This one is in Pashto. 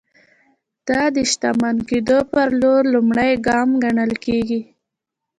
دا د شتمن کېدو پر لور لومړی ګام ګڼل کېږي.